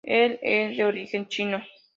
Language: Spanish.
Él es de origen chino.